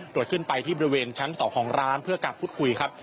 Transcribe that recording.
โดยขึ้นไปที่บริเวณชั้น๒ของร้านเพื่อการพูดคุยครับ